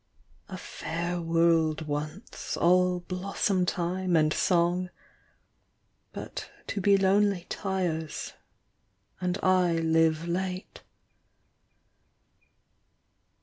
A f^dr world once, all blossom time and song ; But to be lonely tires, and I live late.